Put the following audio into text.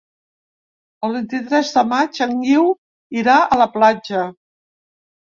El vint-i-tres de maig en Guiu irà a la platja.